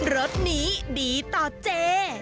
รถนี้ดีต่อเจ